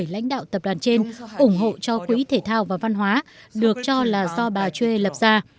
lãnh đạo tập đoàn trên ủng hộ cho quỹ thể thao và văn hóa được cho là do bà chue lập ra